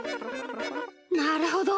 なるほど。